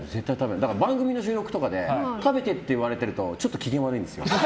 だから番組の収録とかで食べてとか言われているとちょっと機嫌が悪いんですよ。